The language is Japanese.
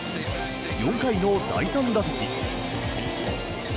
４回の第３打席。